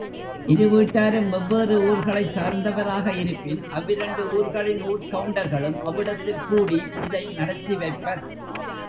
இரு வீட்டாரும் வெவ்வேறு ஊர்களைச் சார்ந்தவராக இருப்பின் அவ்விரண்டு ஊர்களின் ஊர்க் கவுண்டர்களும் அவ்விடத்தில்கூடி இதை நடத்தி வைப்பர்.